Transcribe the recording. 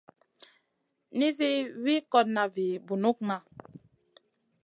Nizi wi kotna vi bunukŋa.